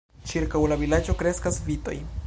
Ĉirkaŭ la vilaĝo kreskas vitoj.